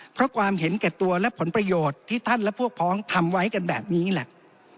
เพราะความเห็นแก่ตัวและผลประโยชน์ที่ท่านและพวกพ้องทำไว้กันแบบนี้แหละ